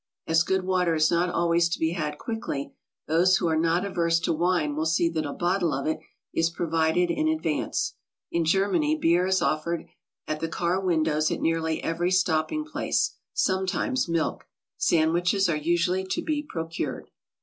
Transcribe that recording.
As good water is not always to be had quickly, those who are not averse to wine will see that a bottle of it is provided in advance. In Germany beer is offered at the car windows at nearly every stopping place, — sometimes milk. Sandwiches are usually to be procured.